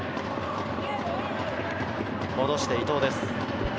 戻して伊東です。